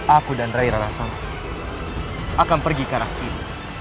aku dan raira rasam akan pergi ke arah kini